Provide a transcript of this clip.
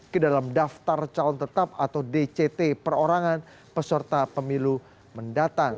ke dalam daftar calon tetap atau dct perorangan peserta pemilu mendatang